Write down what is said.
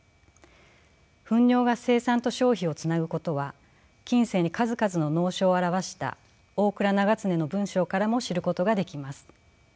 糞尿が生産と消費をつなぐことは近世に数々の農書を著した大蔵永常の文章からも知ることができます。